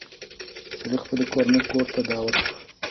سړي خپله کورنۍ کور ته دعوت کړه.